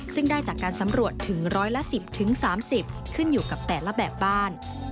ซึ่งได้จากการสำรวจถึงร้อยละ๑๐๓๐ขึ้นอยู่กับแต่ละแบบบ้าน